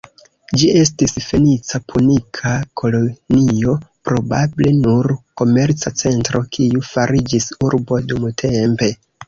Ĝi estis fenica-punika kolonio, probable nur komerca centro, kiu fariĝis urbo dumtempe.